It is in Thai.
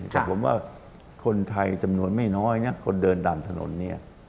แต่ผมว่าคนไทยจำนวนไม่น้อยคนเดินตามถนนเนี่ย